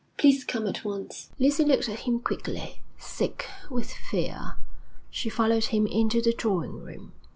Please come at once.' Lucy looked at him quickly. Sick with fear, she followed him into the drawing room.